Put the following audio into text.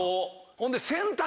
ほんで。